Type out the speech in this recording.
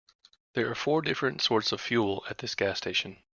There are four different sorts of fuel at this gas station.